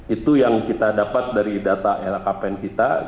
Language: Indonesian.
itu yang kita dapat dari data lhkpn kita